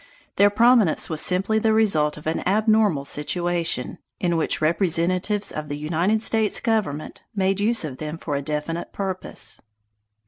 Their prominence was simply the result of an abnormal situation, in which representatives of the United States Government made use of them for a definite purpose.